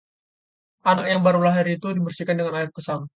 anak yang baru lahir itu dibersihkan dengan air pesam